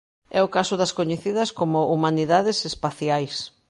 É o caso das coñecidas como humanidades espaciais.